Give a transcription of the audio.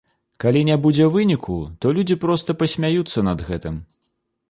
Калі не будзе выніку, то людзі проста пасмяюцца над гэтым.